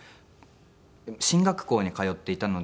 進学校に通っていたので。